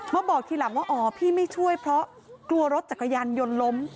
มาบอกทีหลังว่าอ๋อพี่ไม่ช่วยเพราะกลัวรถจักรยานยนต์ล้ม